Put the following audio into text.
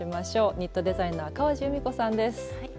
ニットデザイナー川路ゆみこさんです。